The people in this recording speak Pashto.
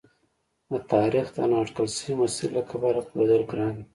د تاریخ د نا اټکل شوي مسیر له کبله پوهېدل ګران دي.